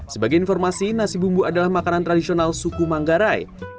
sebagai informasi nasi bumbu adalah makanan tradisional suku manggarai